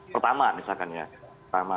pertama misalkan ya